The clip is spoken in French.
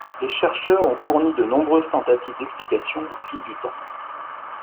Les chercheurs ont fourni de nombreuses tentatives d'explication au fil du temps.